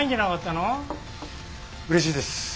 うれしいです。